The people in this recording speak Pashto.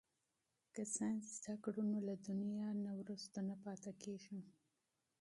که ساینس زده کړو نو له دنیا نه وروسته پاتې کیږو.